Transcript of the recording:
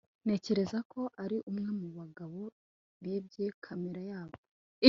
Ntekereza ko ari umwe mu bagabo bibye kamera ya Bobo